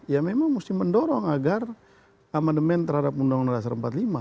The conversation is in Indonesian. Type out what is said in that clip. ya memang mesti mendorong agar amandemen terhadap undang undang dasar empat puluh lima